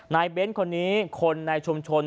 เบ้นคนนี้คนในชุมชน